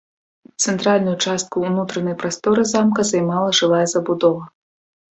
Цэнтральную частку ўнутранай прасторы замка займала жылая забудова.